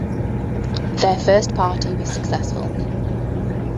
Their first party was successful.